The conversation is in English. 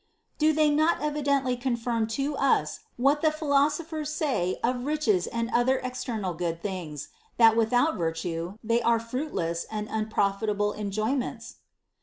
93 do they not evidently confirm to us what the philosophers say of riches and other external good things, that without virtue they are fruitless and unprofitable enjoyments'?